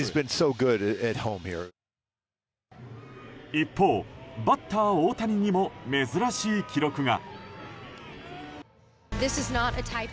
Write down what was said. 一方、バッター大谷にも珍しい記録が。